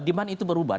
demand itu berubah